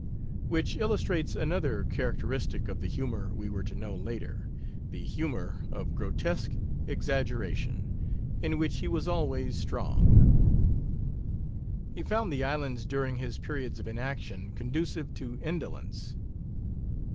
Which illustrates another characteristic of the humor we were to know later the humor of grotesque exaggeration, in which he was always strong. He found the islands during his periods of inaction conducive to indolence.